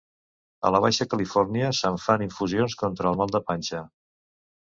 A la Baixa Califòrnia se'n fan infusions contra el mal de panxa.